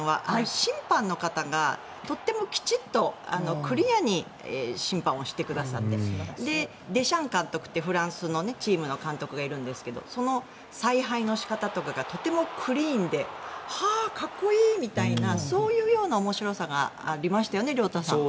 審判の方が非常にきちんとクリアに審判をしてくださってデシャン監督ってフランスのチームの監督がいるんですがその采配の仕方とかがとてもクリーンでかっこいいみたいなそういうような面白さがありましたよね、亮太さん。